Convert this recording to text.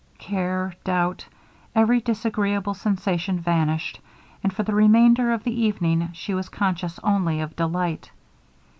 Care, doubt, every disagreeable sensation vanished, and for the remainder of the evening she was conscious only of delight.